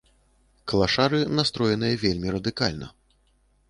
Клашары настроеныя вельмі радыкальна.